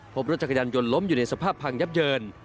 พบรถจักรยานยนต์ล้มอยู่ในสภาพพังยับเยิน